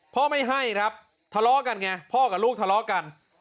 ไม่ให้ครับทะเลาะกันไงพ่อกับลูกทะเลาะกัน